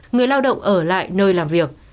người lao động ở lại nơi làm việc